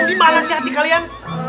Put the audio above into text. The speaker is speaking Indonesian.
di mana sih hati kalian